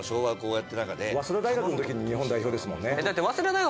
だって早稲田大学の時もう日本代表ですもんね。